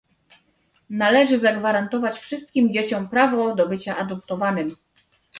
Należy zagwarantować wszystkim dzieciom prawo do bycia adoptowanym